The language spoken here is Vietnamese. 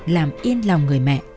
làm yên lòng người mẹ